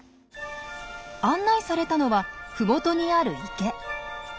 案内されたのは麓にある池。